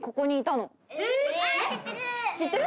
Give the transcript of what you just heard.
知ってる？